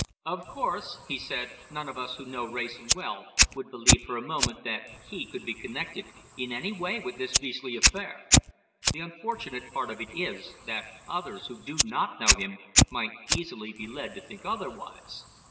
"Of course," he said, "none of us who know Wrayson well would believe for a moment that he could be connected in any way with this beastly affair. The unfortunate part of it is, that others, who do not know him, might easily be led to think otherwise!"